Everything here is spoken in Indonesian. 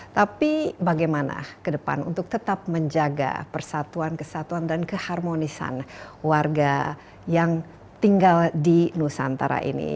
tapi bagaimana ke depan untuk tetap menjaga persatuan kesatuan dan keharmonisan warga yang tinggal di nusantara ini